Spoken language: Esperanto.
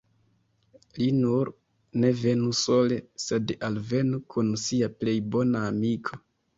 Li nur ne venu sole, sed alvenu kun sia plej bona amiko.